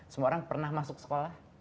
semua orang pernah masuk sekolah